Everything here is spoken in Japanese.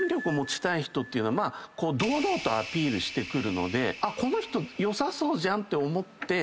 ていうのは堂々とアピールしてくるのでこの人良さそうじゃんって思って。